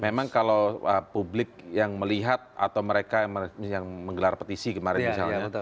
memang kalau publik yang melihat atau mereka yang menggelar petisi kemarin misalnya